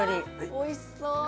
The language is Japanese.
おいしそう！